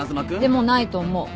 でもないと思う。